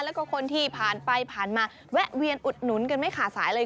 แล้วก็คนที่ผ่านไปผ่านมาแวะเวียนอุดหนุนกันไม่ขาดสายเลย